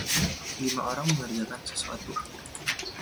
Lima orang mengerjakan sesuatu.